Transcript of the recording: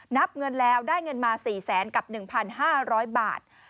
นับเงินแล้วได้เงินมา๔แสนกับ๑๕๐๐บาท